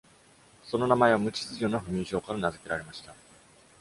その名前は無秩序な不眠症から名づけられました。